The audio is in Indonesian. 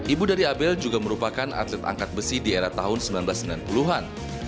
ibu dari abel juga merupakan atlet angkat besi di era tahun seribu sembilan ratus sembilan puluh an